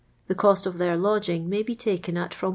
The cost of their lodging may be taken at from 1*.